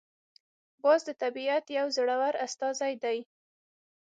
باز د طبیعت یو زړور استازی دی